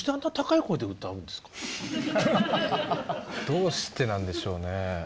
どうしてなんでしょうねぇ。